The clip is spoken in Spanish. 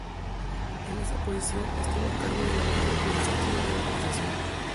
En esta posición estuvo a cargo de la parte administrativa de la organización.